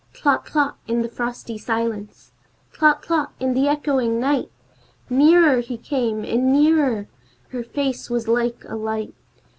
Tlot tlot, in the frosty silence! Tlot tlot, in the echoing night! Nearer he came and nearer! Her face was like a light!